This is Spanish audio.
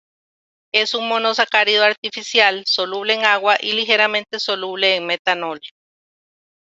Es un monosacárido artificial, soluble en agua y ligeramente soluble en metanol.